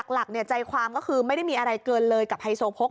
หลักใจความก็คือไม่ได้มีอะไรเกินเลยกับไฮโซโพก